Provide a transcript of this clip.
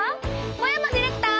小山ディレクター！